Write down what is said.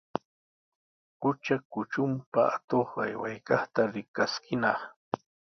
Qutra kutrunpa atuq aywaykaqta rikaskinaq.